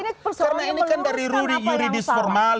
ini persoalannya meluruskan apa yang salah